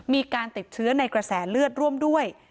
มีการติดเชื้อในกระแสเลือดร่วมด้วย